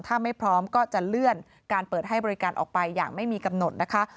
ถ้าไม่พร้อมก็จะเลื่อนการเปิดให้บริการออกไปอย่างไม่มีกำหนดนะคะ